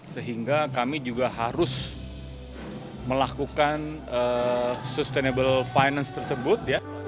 sehingga kami juga harus melakukan sustainable finance tersebut